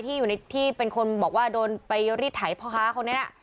ที่เป็นคนบอกว่าโดนไปรีดไถพระค้าคนนี้นะ